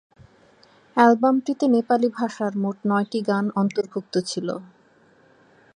অ্যালবামটিতে নেপালি-ভাষার মোট নয়টি গান অন্তর্ভুক্ত ছিল।